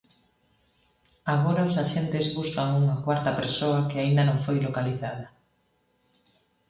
Agora os axentes buscan unha cuarta persoa que aínda non foi localizada.